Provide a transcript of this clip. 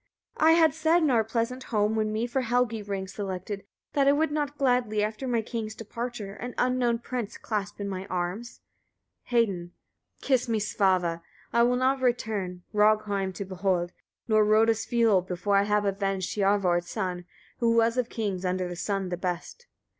42. I had said, in our pleasant home, when for me Helgi rings selected, that I would not gladly, after my king's departure, an unknown prince clasp in my arms. Hedin. 43. Kiss me, Svava! I will not return, Rogheim to behold, nor Rodulsfioll, before I have avenged Hiorvard's son, who was of kings under the sun the best.